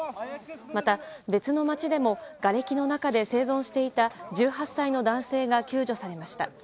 また、別の街でもがれきの中で生存していた１８歳の男性が救助されました。